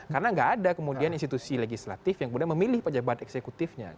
karena nggak ada kemudian institusi legislatif yang kemudian memilih pejabat eksekutifnya